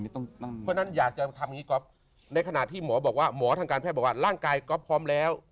เพราะฉะนั้นอยากจะทำอย่างนี้ก๊อฟในขณะที่หมอบอกว่าหมอทางการแพทย์บอกว่าร่างกายก๊อฟพร้อมแล้ว